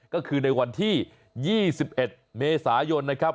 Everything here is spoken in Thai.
ก็คือในวันที่๒๑เมษายนนะครับ